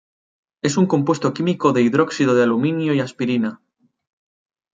Es un compuesto químico de hidróxido de aluminio y aspirina.